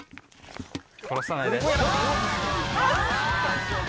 離さないで。